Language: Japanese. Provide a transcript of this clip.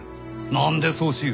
何でそうしゆう？